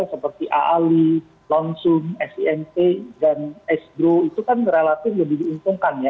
seperti aali lonsum simt dan esgro itu kan relatif lebih diuntungkan ya